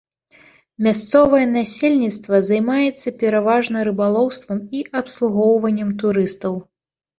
Мясцовае насельніцтва займаецца пераважна рыбалоўствам і абслугоўваннем турыстаў.